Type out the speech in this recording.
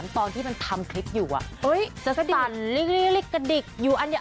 ตอนที่มันทำคลิปอยู่จะสั่นลิกกระดิกอยู่อันนี้